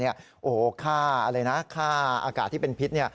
โอ้โหค่าอะไรนะค่าอากาศที่เป็นพิษ